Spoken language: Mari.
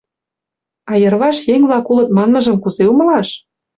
А «Йырваш еҥ-влак улыт» манмыжым кузе умылаш?